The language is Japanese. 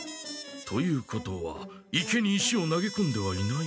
ということは池に石を投げこんではいない？